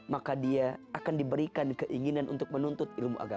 maka dia akan diberikan keinginan untuk menuntut ilmu agama